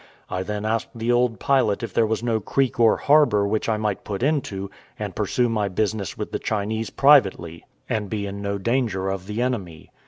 I then asked the old pilot if there was no creek or harbour which I might put into and pursue my business with the Chinese privately, and be in no danger of the enemy.